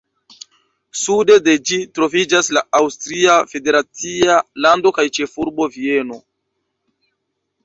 Sude de ĝi troviĝas la Aŭstria federacia lando kaj ĉefurbo Vieno.